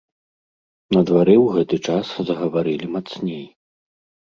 На двары ў гэты час загаварылі мацней.